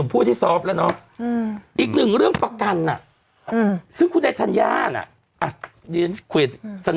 เมื่อกี๊คุณก็บอกคุณก็ล่าวไว้สิ